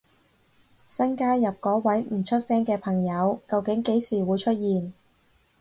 新加入嗰位唔出聲嘅朋友究竟幾時會出現？